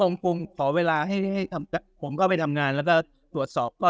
ผมผมขอเวลาให้ให้ทำผมก็ไปทำงานแล้วถ้าสวดสอบ